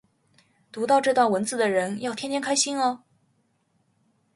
读到这段文字的人要天天开心哦